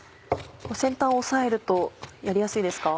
先端を押さえるとやりやすいですか？